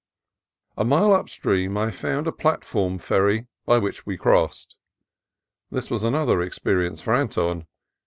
A mile upstream I found a platform ferry by which we crossed. This was another experience for Anton.